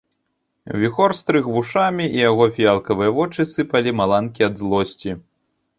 Віхор стрыг вушамі, і яго фіялкавыя вочы сыпалі маланкі ад злосці.